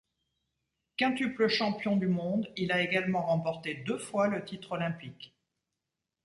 Quintuple champion du monde, il a également remporté deux fois le titre olympique.